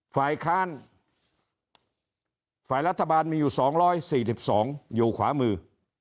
ฝ่ายค้านฝ่ายรัฐบาลมีอยู่๒๔๒อยู่ขวามือ